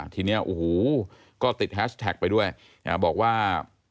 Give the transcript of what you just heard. ทีนี้โอ้โหก็ติดแฮชแท็กไปด้วยบอกว่า